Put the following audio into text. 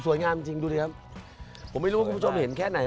งามจริงจริงดูดิครับผมไม่รู้ว่าคุณผู้ชมเห็นแค่ไหน